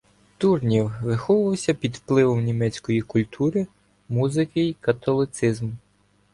Турньє виховувався під впливом німецької культури, музики й католицизму.